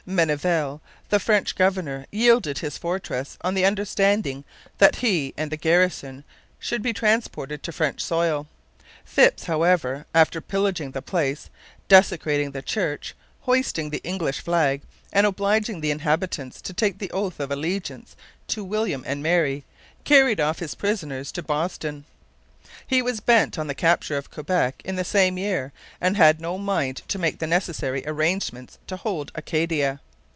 Menneval, the French governor, yielded his fortress on the understanding that he and the garrison should be transported to French soil. Phips, however, after pillaging the place, desecrating the church, hoisting the English flag, and obliging the inhabitants to take the oath of allegiance to William and Mary, carried off his prisoners to Boston. He was bent on the capture of Quebec in the same year and had no mind to make the necessary arrangements to hold Acadia.